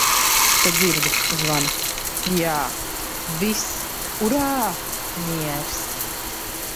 Te dzirdu - zvana. Jā. Viss. Urrā. Miers.